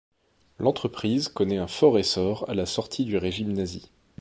L'entreprise connaît un fort essor à la sortie du régime nazi.